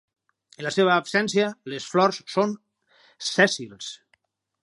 En la seva absència, les flors són sèssils.